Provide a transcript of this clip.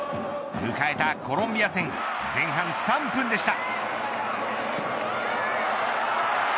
迎えたコロンビア戦前半３分でした。